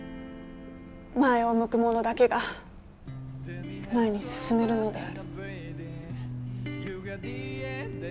前を向く者だけが前に進めるのである。